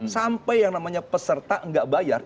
sampai yang namanya peserta nggak bayar